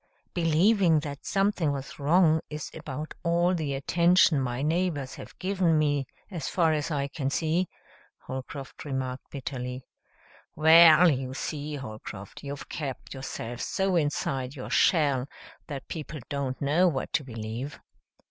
"Believing that something was wrong is about all the attention my neighbors have given me, as far as I can see," Holcroft remarked bitterly. "Well, you see, Holcroft, you've kept yourself so inside your shell that people don't know what to believe.